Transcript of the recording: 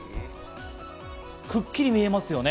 くっきり見えますよね。